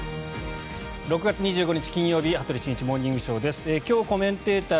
６月２５日、金曜日「羽鳥慎一モーニングショー」。